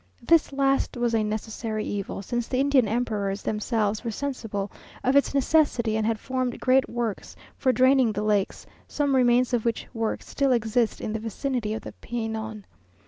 This last was a necessary evil, since the Indian emperors themselves were sensible of its necessity and had formed great works for draining the lakes, some remains of which works still exist in the vicinity of the Penon.